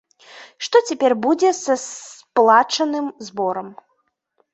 Што цяпер будзе са сплачаным зборам?